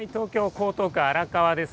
江東区荒川です。